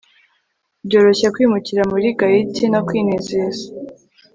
Byoroshye kwimukira muri gaiety no kwinezeza